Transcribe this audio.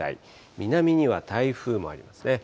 南には台風もありますね。